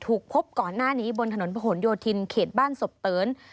ถูกพบก่อนหน้านี้บนถนนผนโยธินเขตบ้านศพเติน